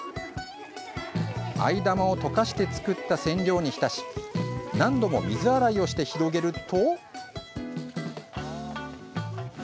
藍玉を溶かして作った染料に浸し何度も水洗いをして広げると。